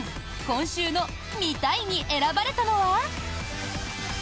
今週の「見たい！」に選ばれたのは。